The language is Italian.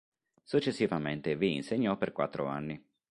Successivamente vi insegnò per quattro anni.